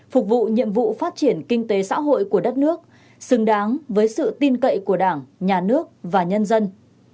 phục vụ nhiệm vụ phát triển kinh tế xã hội của đất nước xứng đáng với sự tin cậy của đảng nhà nước và nhân dân